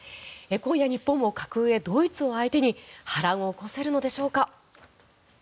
今夜、日本も格上ドイツを相手に波乱を起こせるのでしょうか。